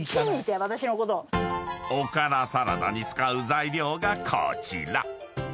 ［おからサラダに使う材料がこちら］